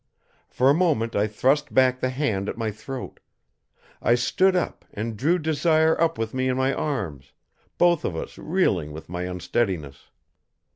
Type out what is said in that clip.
For a moment I thrust back the hand at my throat. I stood up and drew Desire up with me in my arms, both of us reeling with my unsteadiness.